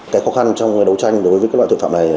cái khó khăn trong đấu tranh đối với các loại tội phạm này